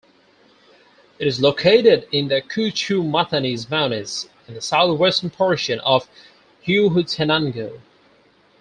It is located in the Cuchumatanes mountains in the Southwestern portion of Huehuetenango.